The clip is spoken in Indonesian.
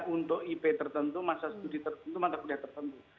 untuk ip tertentu masa studi tertentu masa kuliah tertentu